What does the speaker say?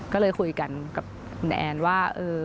ก็เลยคุยกันกับคุณแอนว่า